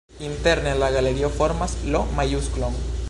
Interne la galerio formas L-majusklon.